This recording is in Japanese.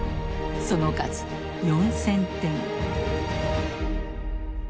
その数４，０００点。